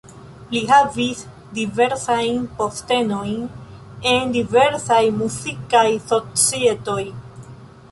Li havis diversajn postenojn en diversaj muzikaj societoj.